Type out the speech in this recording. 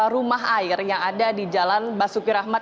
rumah air yang ada di jalan basuki rahmat